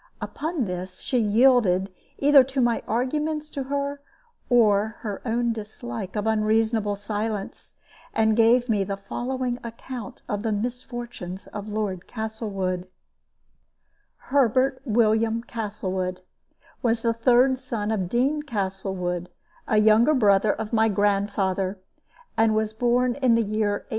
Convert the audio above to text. Upon this she yielded either to my arguments or to her own dislike of unreasonable silence, and gave me the following account of the misfortunes of Lord Castlewood: Herbert William Castlewood was the third son of Dean Castlewood, a younger brother of my grandfather, and was born in the year 1806.